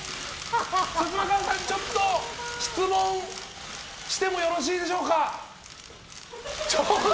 サツマカワさんちょっと質問してもよろしいでしょうか？